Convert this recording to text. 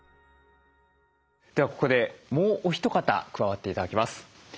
ではここでもうお一方加わって頂きます。